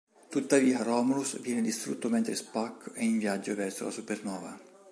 Tuttavia Romulus viene distrutto mentre Spock è in viaggio verso la supernova.